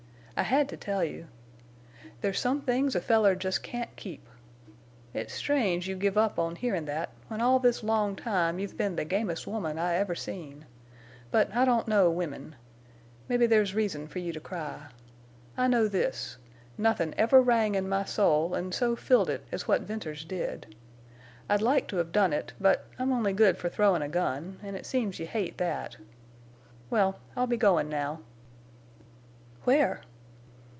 "I had to tell you. There's some things a feller jest can't keep. It's strange you give up on hearin' that, when all this long time you've been the gamest woman I ever seen. But I don't know women. Mebbe there's reason for you to cry. I know this—nothin' ever rang in my soul an' so filled it as what Venters did. I'd like to have done it, but—I'm only good for throwin' a gun, en' it seems you hate that.... Well, I'll be goin' now." "Where?"